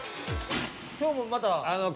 今日もまた。